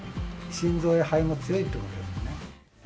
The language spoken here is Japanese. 心臓や肺も強いってことですね。